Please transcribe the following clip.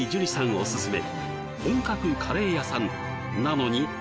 おすすめ